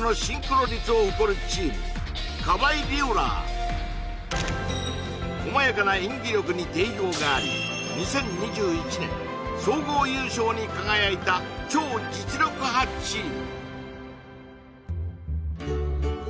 まずはこまやかな演技力に定評があり２０２１年総合優勝に輝いた超実力派チーム